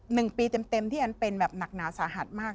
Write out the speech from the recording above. หนึ่งปีเต็มที่อันเป็นแบบหนักหนาสาหัสมาก